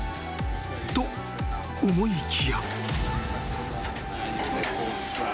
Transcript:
［と思いきや］